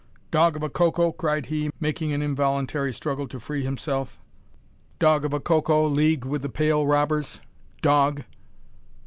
"Dog of a Coco!" cried he, making an involuntary struggle to free himself; "dog of a Coco! leagued with the pale robbers. Dog!"